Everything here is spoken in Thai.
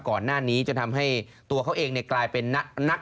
ก่อนหน้านี้จะทำให้ตัวเขาเองกลายเป็นนัก